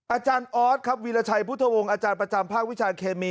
อาจารย์ออสครับวีรชัยพุทธวงศ์อาจารย์ประจำภาควิชาเคมี